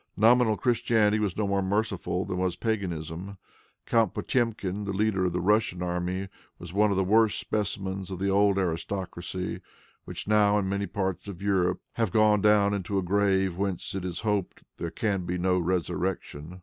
Nominal Christianity was no more merciful than was paganism. Count Potemkin, the leader of the Russian army, was one of the worst specimens of the old aristocracy, which now, in many parts of Europe, have gone down into a grave whence, it is to be hoped, there can be no resurrection.